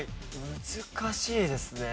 難しいですね。